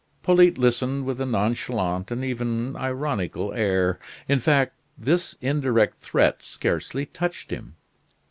Polyte listened with a nonchalant and even ironical air. In fact, this indirect threat scarcely touched him.